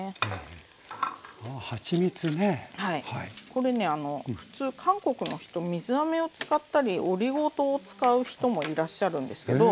これねあの普通韓国の人水あめを使ったりオリゴ糖を使う人もいらっしゃるんですけど。